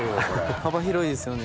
幅広いですよね。